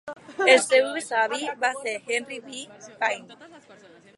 El seu besavi va ser Henry B. Payne.